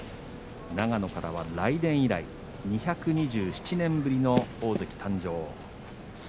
長野からは雷電以来２２７年ぶりの大関誕生。